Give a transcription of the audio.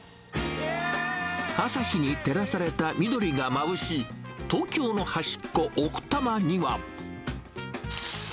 朝日に照らされた緑がまぶしい、東京の端っこ、奥多摩には。